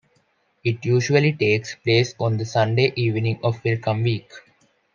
It usually takes place on the Sunday evening of Welcome Week.